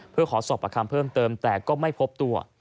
เพื่อขอสอบประคำเพิ่มเติมแต่ก็ไม่พบตัว